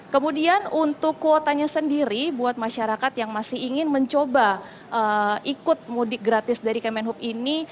kemudian untuk kuotanya sendiri buat masyarakat yang masih ingin mencoba ikut mudik gratis dari kemenhub ini